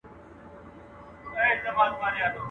مريى کور خوابدی سو، پر بېبان ئې غوړاسکي نه خوړلې.